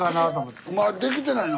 できてないの？